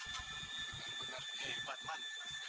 benar benar hebat man